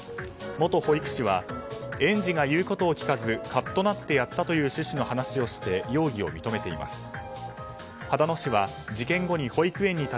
元保育士は園児が言うことを聞かずカッとなってやったという趣旨の話をして容疑を認めています。